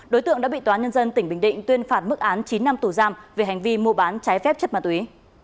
đối tượng đã bị tòa nhân dân tỉnh bình định tuyên phạt mức án chín năm tù giam về hành vi mua bán trái phép chất ma túy